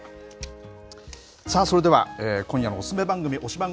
さあ、それでは今夜のおすすめ番組、推しバン！